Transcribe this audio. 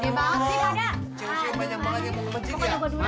cewek cewek banyak banget yang mau ke masjid ya